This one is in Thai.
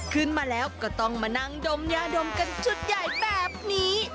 ขึ้นมาแล้วก็ต้องมานั่งดมยาดมกันชุดใหญ่แบบนี้